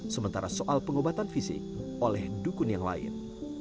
sementara soal pengobatan fisik oleh dukun yang lain